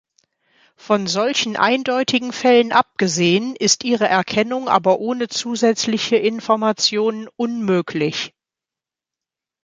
Von solchen eindeutigen Fällen abgesehen ist ihre Erkennung aber ohne zusätzliche Informationen unmöglich.